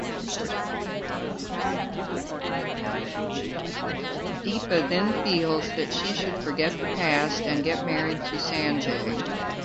Deepa then feels that she should forget the past and get married to Sanjay.